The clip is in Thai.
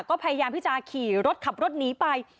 ก็พยายามพิจารณ์ขี่รถขับรถหนีไป